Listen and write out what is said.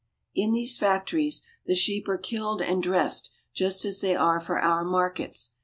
In these factories I 76 ARGENTINA. the sheep are killed and dressed just as they are for our markets.